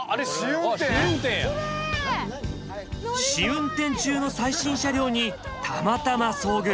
試運転中の最新車両にたまたま遭遇。